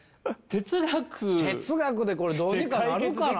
哲学でこれどうにかなるかな？